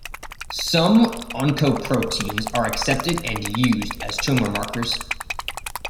Some oncoproteins are accepted and used as tumor markers.